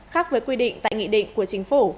khác với quy định tại nghị định của chính phủ